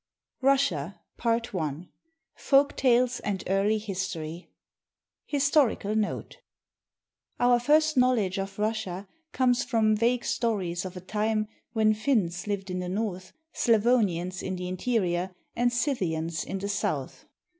Albert Aublet 574 RUSSIA I FOLK TALES AND EARLY HISTORY HISTORICAL NOTE Our first knowledge of Russia comes from vague stories of a time when Finns lived in the north, Slavonians in the in terior, and Scythians in the south.